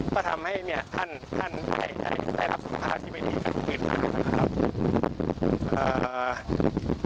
ก็ทำให้ท่านใส่รับสมภาษาที่ไปดีกับคนอื่นนะครับ